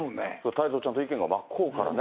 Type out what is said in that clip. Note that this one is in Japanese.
太蔵ちゃんと意見が真っ向からね。